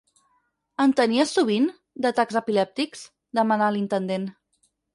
En tenia sovint, d'atacs epilèptics? —demana l'intendent.